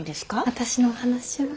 私の話は。